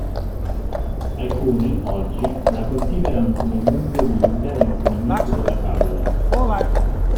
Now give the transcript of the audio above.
Alcuni, oggi, la considerano come il nucleo dell'intero insegnamento della "Kabbalah".